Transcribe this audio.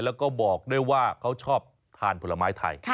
แล้วก็บอกด้วยว่าเขาชอบทานผลไม้ไทย